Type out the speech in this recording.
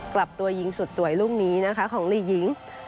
กลับตัวยิงสุดสวยลูกนี้นะคะของลีหญิง